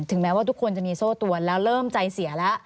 ถึงแม้ว่าทุกคนมีโทษตัวแล้วเริ่มใจเสียละ